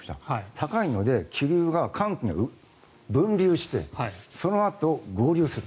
高いので気流が、寒気が分流してそのあと合流する。